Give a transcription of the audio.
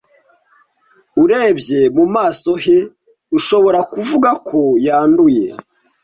Urebye mu maso he, ushobora kuvuga ko yanduye.